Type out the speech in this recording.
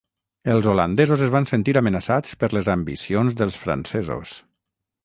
Els holandesos es van sentir amenaçats per les ambicions dels francesos.